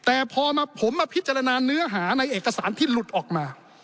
แต่พอผมมาพิจารณาเนื้อหาในเอกสารที่หลุดออกมา